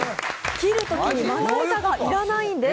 切るときにまな板がいらないんです。